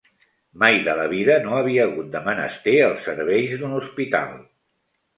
Mai de la vida no havia hagut de menester els serveis d'un hospital.